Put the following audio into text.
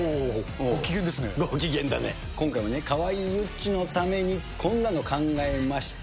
ご機嫌だね、今回はかわいいゆっちのためにこんなの考えました。